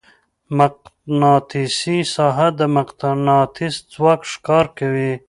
مقناطیسي ساحه د مقناطیس ځواک ښکاره کوي.